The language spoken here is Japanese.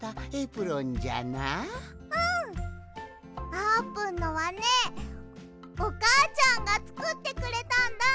あーぷんのはねおかあちゃんがつくってくれたんだ！